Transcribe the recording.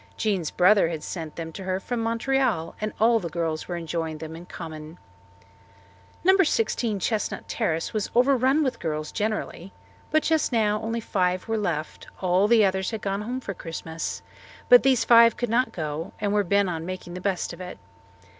Jean's brother had sent them to her from Montreal, and all the girls were enjoying them in common. No. 16 Chestnut Terrace was overrun with girls generally. But just now only five were left; all the others had gone home for Christmas, but these five could not go and were bent on making the best of it.